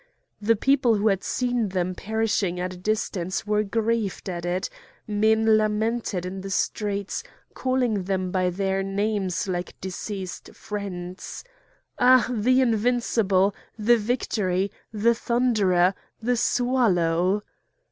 The people who had seen them perishing at a distance were grieved at it; men lamented in the streets, calling them by their names like deceased friends: "Ah! the Invincible! the Victory! the Thunderer! the Swallow!"